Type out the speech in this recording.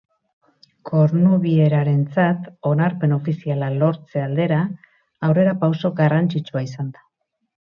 Kornubierarentzat onarpen ofiziala lortze aldera aurrerapauso garrantzitsua izan da.